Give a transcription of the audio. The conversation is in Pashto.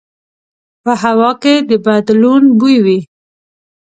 په هوا کې د بدلون بوی وي